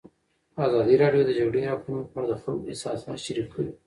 ازادي راډیو د د جګړې راپورونه په اړه د خلکو احساسات شریک کړي.